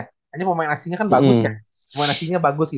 hanya pemain asingnya kan bagus ya